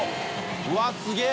うわっすげぇ。